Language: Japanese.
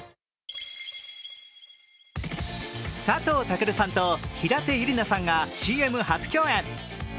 佐藤健さんと平手友梨奈さんがＣＭ初共演。